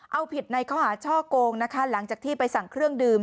เอาผิดในข้อหาช่อโกงนะคะหลังจากที่ไปสั่งเครื่องดื่ม